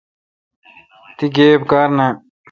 تی گیب کار نان